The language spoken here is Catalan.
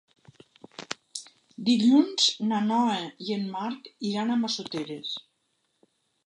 Dilluns na Noa i en Marc iran a Massoteres.